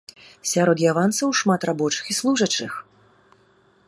Сярод яванцаў шмат рабочых і служачых.